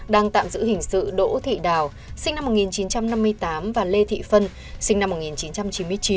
đang tạm giữ hình sự đỗ thị đào sinh năm một nghìn chín trăm năm mươi tám và lê thị phân sinh năm một nghìn chín trăm chín mươi chín